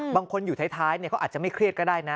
อยู่ท้ายเขาอาจจะไม่เครียดก็ได้นะ